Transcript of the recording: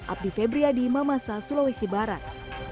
abdi febriadi mamasa sulawesi barat